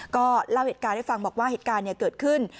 ก็เล่าเหตุการณ์ให้ฟังบอกว่าเหตุการณ์เกิดขึ้น